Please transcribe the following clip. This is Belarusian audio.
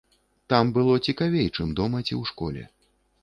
Там было цікавей, чым дома ці ў школе.